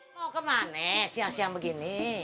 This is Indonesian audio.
mau kemana siang siang begini